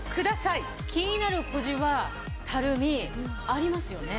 気になる小じわたるみありますよね。